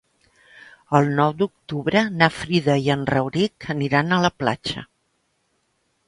El nou d'octubre na Frida i en Rauric aniran a la platja.